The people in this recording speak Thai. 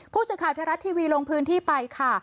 ผู้สิทธิ์ข่าวธรรมชาติทวีลงพื้นที่ไปค่ะ